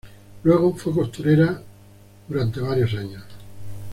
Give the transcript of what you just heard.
Luego fue costurera por varios años.